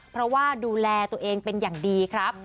เพราะว่าดูแลตัวเองเป็นอย่างดีครับ